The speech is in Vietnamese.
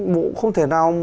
bộ không thể nào